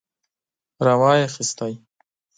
را وايي خيست.